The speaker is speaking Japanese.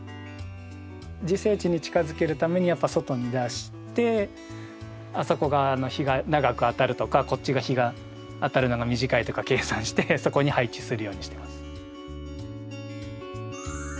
自生地に近づけるためにやっぱ外に出してあそこが日が長く当たるとかこっちが日が当たるのが短いとか計算してそこに配置するようにしてます。